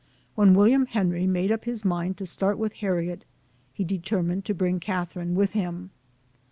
When William Henry made up his mind to start with Harriet, he determined to bring Catherine with him.